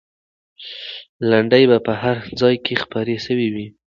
لنډۍ به په هر ځای کې خپرې سوې وي.